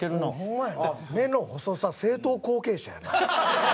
目の細さ正統後継者やな。